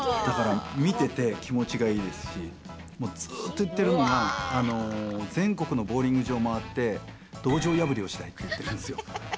だから見てて気持ちがいいですしもうずっと言ってるのが全国のボウリング場回って道場破りをしたいって言ってるんですよ。